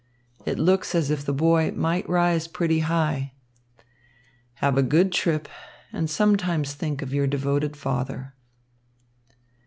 It looks as if the boy might rise pretty high. Have a good trip and sometimes think of your devoted father.